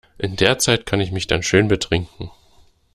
In der Zeit kann ich mich dann schön betrinken.